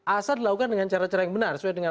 asal dilakukan dengan cara cara yang benar sesuai dengan